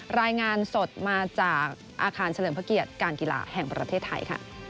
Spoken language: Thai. รายงานสดมาจากอาคารเฉลิมพระเกียรติการกีฬาแห่งประเทศไทยค่ะ